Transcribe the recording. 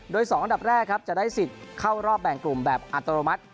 โดย๒อันดับแรกครับจะได้สิทธิ์เข้ารอบแบ่งกลุ่มแบบอัตโนมัติ